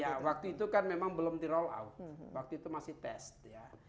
ya waktu itu kan memang belum di roll out waktu itu masih test ya